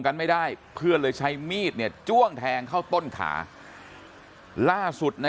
กันไม่ได้เพื่อนเลยใช้มีดเนี่ยจ้วงแทงเข้าต้นขาล่าสุดนะ